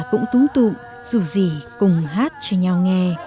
bên đường các bà cũng túng tụ dù gì cùng hát cho nhau nghe